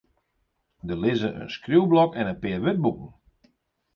Der lizze in skriuwblok en in pear wurdboeken.